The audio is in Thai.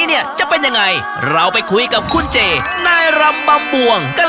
เนี่ยจะเป็นยังไงเราไปคุยกับคุณเจนายรำบำบวงกัน